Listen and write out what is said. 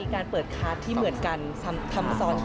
การเปิดคาร์ดที่เหมือนกันทำซ้อน